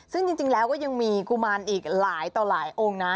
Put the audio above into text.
ซึ่งจริงแล้วก็ยังมีกุมารอีกหลายต่อหลายองค์นะ